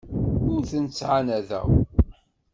Ur tent-ttɛanadeɣ.